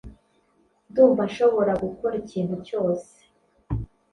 Ndumva nshobora gukora ikintu cyose.